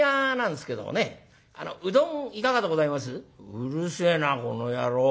「うるせえなこの野郎。